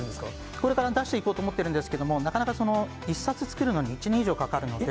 これから出していこうと思ってるんですけど、なかなか１冊作るのに１年以上かかるので。